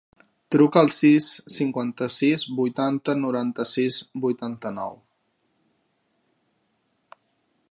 Truca al sis, cinquanta-sis, vuitanta, noranta-sis, vuitanta-nou.